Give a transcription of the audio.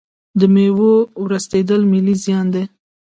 د میوو ورستیدل ملي زیان دی.